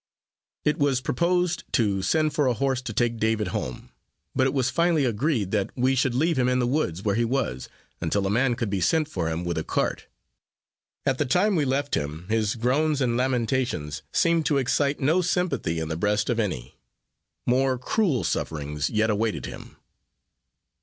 It was proposed to send for a horse to take David home; but it was finally agreed that we should leave him in the woods, where he was, until a man could be sent for him with a cart. At the time we left him, his groans and lamentations seemed to excite no sympathy in the breast of any. More cruel sufferings yet awaited him.